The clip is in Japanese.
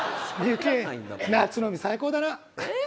夏の海、最高だな。